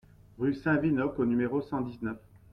Rue Saint-Winocq au numéro cent dix-neuf